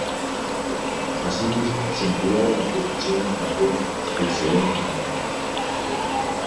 Asimismo se emplea en la producción de carbón de excelente calidad.